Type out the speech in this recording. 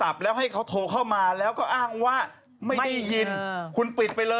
ดูแลลูกค้าถึงตี๕เลยเหรอบริษัทเธอ